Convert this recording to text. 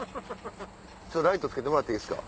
ライトつけてもらっていいですか？